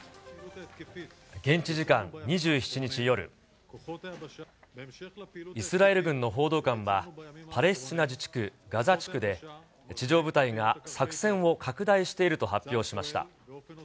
現地時間２７日夜、イスラエル軍の報道官は、パレスチナ自治区ガザ地区で、地上部隊が作戦を拡大していると発表しました。